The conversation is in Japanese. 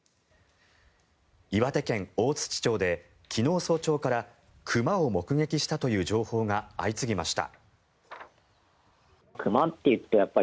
岩手県大槌町で昨日早朝から熊を目撃したという情報が相次ぎました。